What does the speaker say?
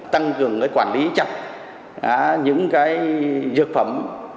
tăng cường cải thiện quản lý chặt những dược phẩm